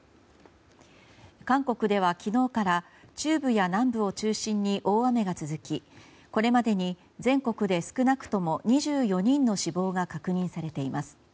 韓国では昨日から中部や南部を中心に大雨が続きこれまでに全国で少なくとも２４人の死亡が確認されています。